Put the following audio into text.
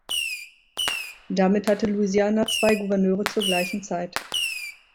Damit hatte Louisiana zwei Gouverneure zur gleichen Zeit.